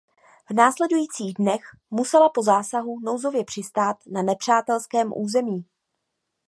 V následujících dnech musela po zásahu nouzově přistát na nepřátelském území.